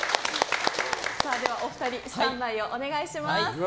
ではお二人スタンバイをお願いします。